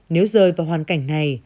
nếu rơi vào hoàn cảnh này